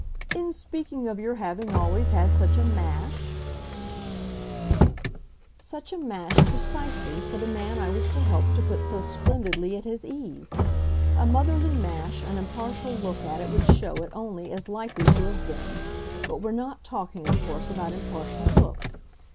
"In speaking of your having always had such a 'mash' ?" "Such a mash, precisely, for the man I was to help to put so splendidly at his ease. A motherly mash an impartial look at it would show it only as likely to have been but we're not talking, of course, about impartial looks.